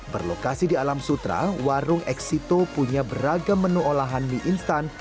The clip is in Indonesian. berlokasi di alam sutra warung exito punya beragam menu olahan mie instan